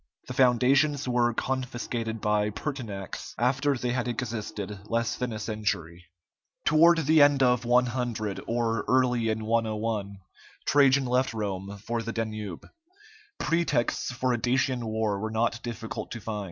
The foundations were confiscated by Pertinax, after they had existed less than a century. Toward the end of 100, or early in 101, Trajan left Rome for the Danube. Pretexts for a Dacian war were not difficult to find.